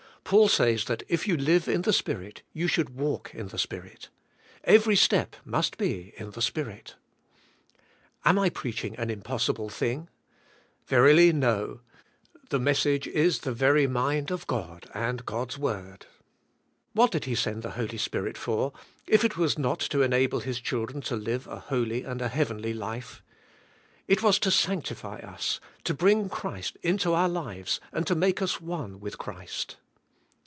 Paul says that if you live in the Spirit, you should walk in the Spirit. Kvery step must be in the Spirit. Am I preaching" an impossible thing"? Verily no. The messag"e is the very mind of God and God's word. What did He send the Holy Spirit for, if it was not to enable His children to live a holy and a heavenly life? It was to sanctify us, to bring" Christ into our lives and to make us one with Christ.